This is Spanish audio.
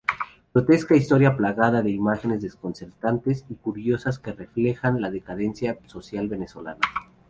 Grotesca historia plagada de imágenes desconcertantes y curiosas que reflejan la decadencia social venezolana.